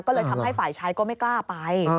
ก็เลยทำให้ฝ่ายชายก็ไม่กล้าไป